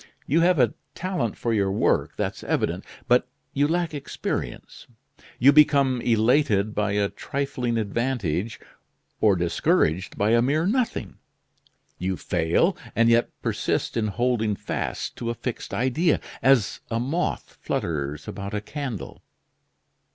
You have a talent for your work, that's evident; but you lack experience; you become elated by a trifling advantage, or discouraged by a mere nothing; you fail, and yet persist in holding fast to a fixed idea, as a moth flutters about a candle.